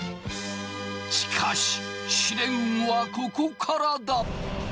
しかし試練はここからだ。